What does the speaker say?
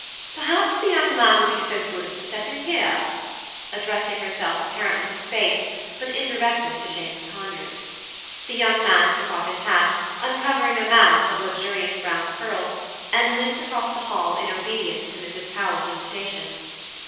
"Perhaps the young man will be so good as to step in here," addressing herself apparently to space, but indirectly to James Conyers. The young man took off his hat, uncovering a mass of luxuriant brown curls, and limped across the hall in obedience to Mrs. Powell's invitation.